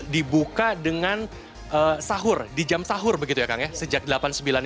dibuka dengan sahur di jam sahur begitu ya kang ya sejak delapan puluh sembilan ini